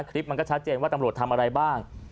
คลิปมันก็ชัดเจนว่าตำรวจทำอะไรบ้าง